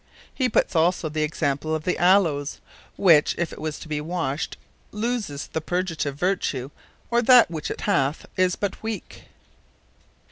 He puts also the example of the Aloes, which if it be washt, looseth the Purgative vertue; or that which it hath, is but weake.